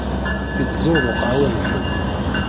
Itezzu-d lqahwa n lḥebb.